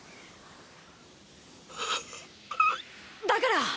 だから！